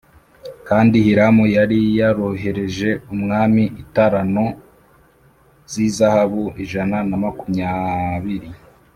Kandi Hiramu yari yaroherereje umwami italanto z’izahabu ijana na makumyabiri